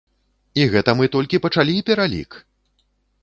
І гэта мы толькі пачалі пералік!